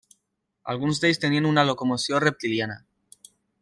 Alguns d'ells tenien una locomoció reptiliana.